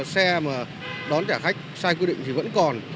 xe mà đón trả khách sai quy định thì vẫn còn